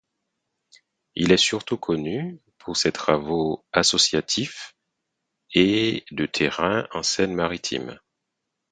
Il est surtout connu pour ses travaux associatifs et de terrain en Seine-Maritime.